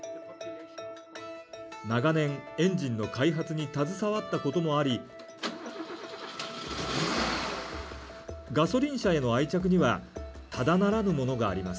長年、エンジンの開発に携わったこともありガソリン車への愛着にはただならぬものがあります。